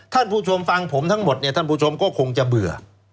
ท่านผู้ชมฟังผมทั้งหมดเนี่ยท่านผู้ชมก็คงจะเบื่อ